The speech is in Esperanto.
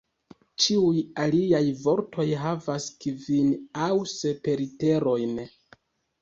Ĉiuj aliaj vortoj havas kvin aŭ sep literojn.